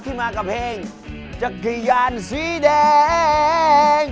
ที่ไปพร้อมเป็นจักรยานสีแดง